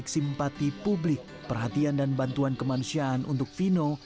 simpati publik perhatian dan bantuan kemanusiaan untuk vino